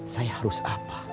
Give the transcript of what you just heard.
saya harus apa